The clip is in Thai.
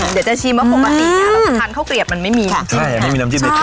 เดี๋ยวจะชิมว่าปกติเราจะทานข้าวเกลียบมันไม่มีใช่ไม่มีน้ำจิ้มเด็ดกลอด